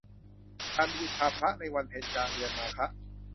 การบูชาพระในวันเพ็ญกลางเดือนมาฆะ